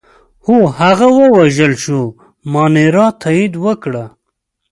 هو، هغه ووژل شو، مانیرا تایید وکړه.